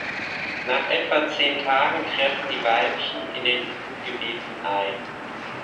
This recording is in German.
Nach etwa zehn Tagen treffen die Weibchen in den Brutgebieten ein.